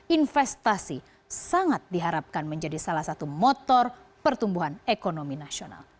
investasi sangat diharapkan menjadi salah satu motor pertumbuhan ekonomi nasional